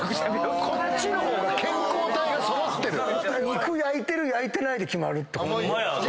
肉焼いてる焼いてないで決まるってこと？